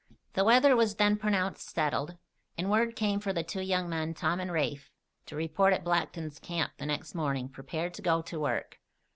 The weather was then pronounced settled, and word came for the two young men, Tom and Rafe, to report at Blackton's camp the next morning, prepared to go to work.